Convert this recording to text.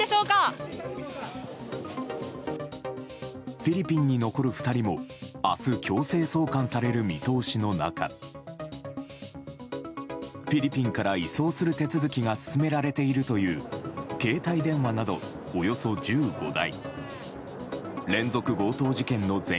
フィリピンに残る２人も明日、強制送還される見通しの中フィリピンから移送する手続きが進められているという携帯電話などおよそ１５台。